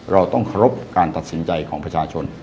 เราต้องเคารพการตัดสินใจของประชาชน